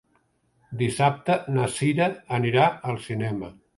Dissabte na Cira anirà al cinema.